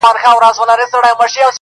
یو څه نڅا یو څه خندا ته ورکړو!!